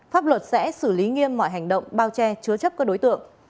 pháp luật sẽ xử lý nghiêm mọi hành động bao che chứa chấp các đối tượng